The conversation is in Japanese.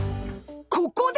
ここで！